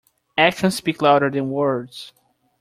Actions speak louder than words.